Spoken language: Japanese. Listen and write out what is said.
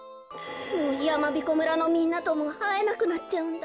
もうやまびこ村のみんなともあえなくなっちゃうんだ。